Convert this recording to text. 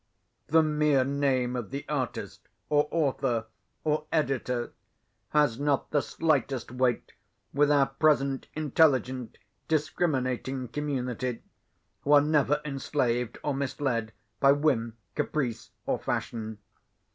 The mere name of the artist, or author, or editor, has not the slightest weight with our present intelligent, discriminating community, who are never enslaved, or misled, by whim, caprice, or fashion.